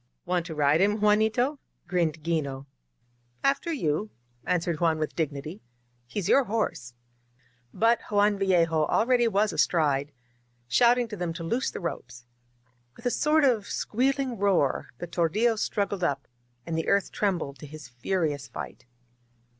"Want to ride him, Juanito?'* grinned 'Gino. "After you,'' answered Juan with dignity. "He's your horse. •.." But Juan Vallejo already was astride, shouting to them to loose the ropes. With a sort of squealing roar, the tordiUo struggled up, and the earth trembled to his furious fight.